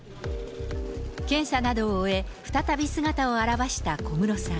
検査などを終え、再び姿を現した小室さん。